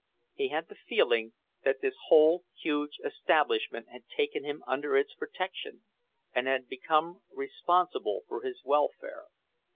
He had the feeling that this whole huge establishment had taken him under its protection, and had become responsible for his welfare.